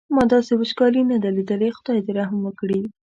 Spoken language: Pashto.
ما داسې وچکالي نه ده لیدلې خدای دې رحم وکړي.